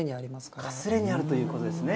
すれにあるということですね。